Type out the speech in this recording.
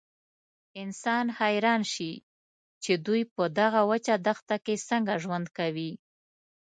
انسان حیران شي چې دوی په دغه وچه دښته کې څنګه ژوند کوي.